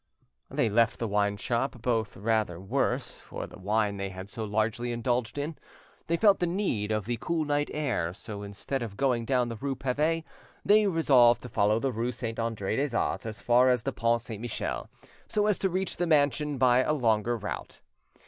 They left the wine shop, both rather the worse for the wine they had so largely indulged in. They felt the need of the cool night air, so instead of going down the rue Pavee they resolved to follow the rue Saint Andre des Arts as far as the Pont Saint Michel, so as to reach the mansion by a longer route.